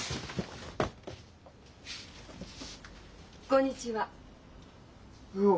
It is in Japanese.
こんにちは。